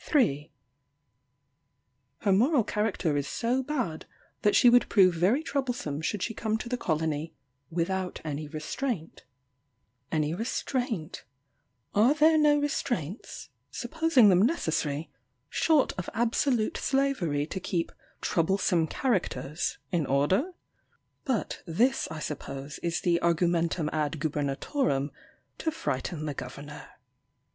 3. Her moral character is so bad, that she would prove very troublesome should she come to the colony "without any restraint." "Any restraint?" Are there no restraints (supposing them necessary) short of absolute slavery to keep "troublesome characters" in order? But this, I suppose, is the argumentum ad gubernatorem to frighten the governor.